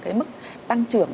cái mức tăng trưởng